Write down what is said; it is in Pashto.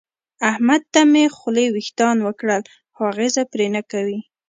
احمد ته مې خولې وېښتان وکړل خو اغېزه پرې نه کوي.